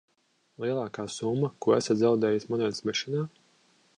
Lielākā summa, ko esat zaudējis monētas mešanā?